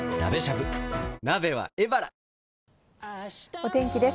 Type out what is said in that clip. お天気です。